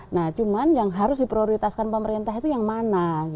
nah cuman yang harus diprioritaskan pemerintah itu yang mana